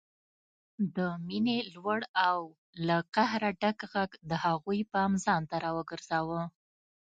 د مينې لوړ او له قهره ډک غږ د هغوی پام ځانته راوګرځاوه